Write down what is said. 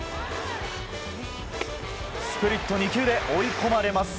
スプリット２球で追い込まれます。